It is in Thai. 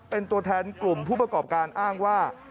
เป็นตัวแทนกลุ่มผู้ประกอบการอ้างว่า